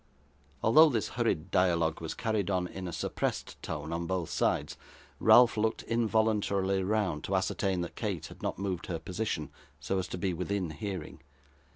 Although this hurried dialogue was carried on in a suppressed tone on both sides, Ralph looked involuntarily round to ascertain that Kate had not moved her position so as to be within hearing.